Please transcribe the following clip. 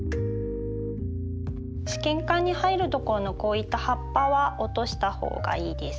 試験管に入るところのこういった葉っぱは落とした方がいいです。